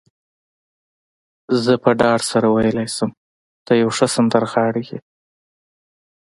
زه په ډاډ سره ویلای شم، ته یو ښه سندرغاړی يې.